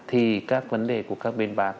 thì các vấn đề của các bên bạc